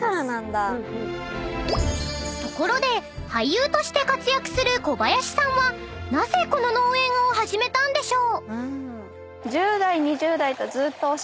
［ところで俳優として活躍する小林さんはなぜこの農園を始めたんでしょう？］